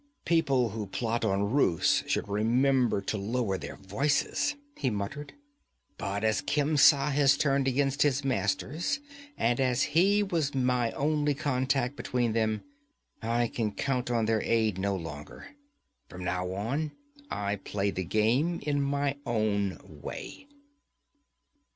'People who plot on roofs should remember to lower their voices,' he muttered. 'But as Khemsa has turned against his masters, and as he was my only contact between them, I can count on their aid no longer. From now on I play the game in my own way.'